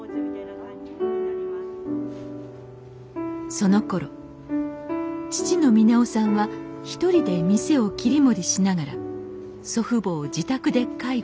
そのころ父の峰雄さんは一人で店を切り盛りしながら祖父母を自宅で介護。